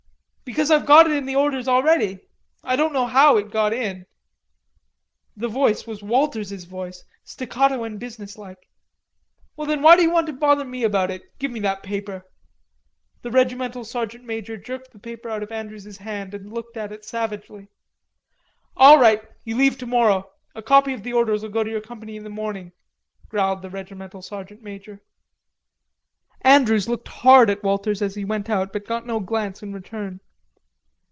"Because I've got it in the orders already.... I don't know how it got in." The voice was Walters's voice, staccatto and businesslike. "Well, then, why d'you want to bother me about it? Give me that paper." The regimental sergeant major jerked the paper out of Andrews's hand and looked at it savagely. "All right, you leave tomorrow. A copy of the orders'll go to your company in the morning," growled the regimental sergeant major. Andrews looked hard at Walters as he went out, but got no glance in return.